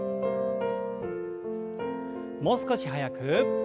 もう少し速く。